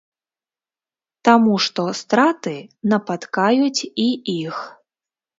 Таму што страты напаткаюць і іх.